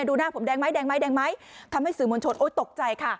ดูหน้าผมแดงไหมทำให้สื่อมณชนโอ๊ยตกใจค่ะ